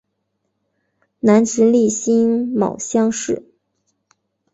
南直隶辛卯乡试。